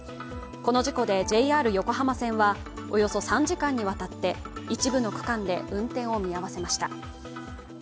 この事故で、ＪＲ横浜線はおよそ３時間にわたって一部の区間で運転を見合わせました。